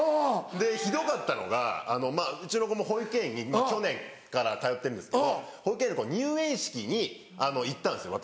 でひどかったのがうちの子も保育園に去年から通ってるんですけど保育園の入園式に行ったんですよ